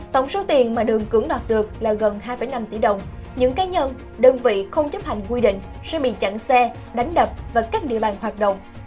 tổng số tiền mà đường cưỡng đoạt được là gần hai năm tỷ đồng những cá nhân đơn vị không chấp hành quy định sẽ bị chặn xe đánh đập và các địa bàn hoạt động